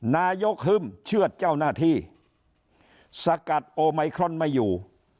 นายกฮึ่มเชื่อดเจ้าหน้าที่สกัดโอไมครอนไม่อยู่